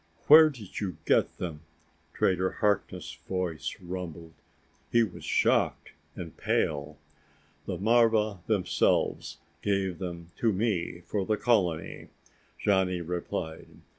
"Where did you get them?" Trader Harkness' voice rumbled. He was shocked and pale. "The marva themselves gave them to me for the colony," Johnny replied.